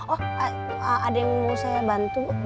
oh ada yang mau saya bantu